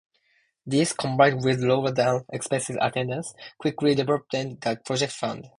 This, combined with lower than expected attendance, quickly depleted the project's funds.